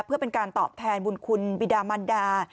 เพื่อเป็นการตอบแทนบุญคุณบิดามันดา